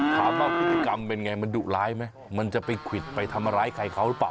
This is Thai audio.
ถามว่าพฤติกรรมเป็นไงมันดุร้ายไหมมันจะไปควิดไปทำร้ายใครเขาหรือเปล่า